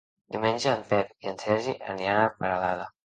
Diumenge en Pep i en Sergi aniran a Peralada.